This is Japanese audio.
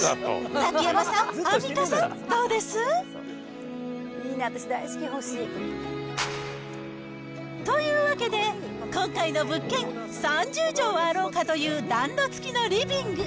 ザキヤマさん、アンミカさん、どうです？というわけで、今回の物件、３０畳はあろうかという暖炉付きのリビング。